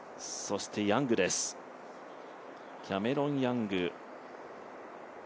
キャメロン・ヤングです。